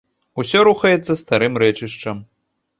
Усё рухаецца старым рэчышчам.